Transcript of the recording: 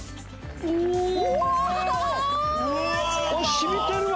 染みてるわ。